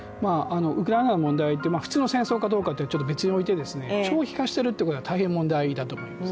ウクライナの問題って普通の戦争かどうかはちょっと別に置いて、長期化しているということが大変問題だと思います。